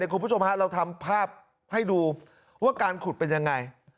คุณผู้ชมเราทำภาพให้ดูว่าการขุดเป็นยังไง